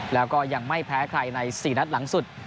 แล้วก็ยังไม่แพ้ใครใน๔นัดหลังสุด